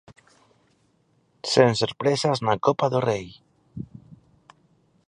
Sen sorpresas na Copa do Rei.